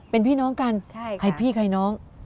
เป็นพี่น้องกันใครพี่ใครน้อง